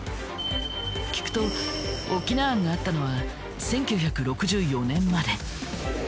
聞くと翁庵があったのは１９６４年まで。